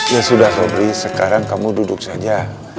ya sudah febri sekarang kamu duduk saja